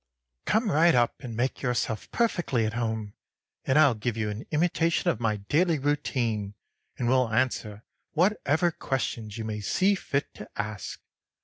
"Come right up and make yourself perfectly at home, and I'll give you an imitation of my daily routine, and will answer whatever questions you may see fit to ask.